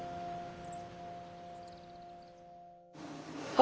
あ！